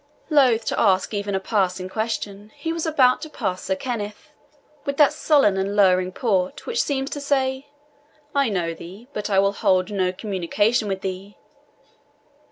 Loath to ask even a passing question, he was about to pass Sir Kenneth, with that sullen and lowering port which seems to say, "I know thee, but I will hold no communication with thee."